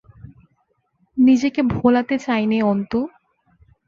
নিজেকে ভোলাতে চাই নে, অন্তু।